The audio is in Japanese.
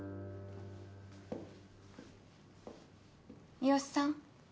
三吉さん